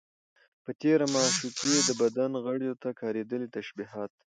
په تېره، د معشوقې د بدن غړيو ته کارېدلي تشبيهات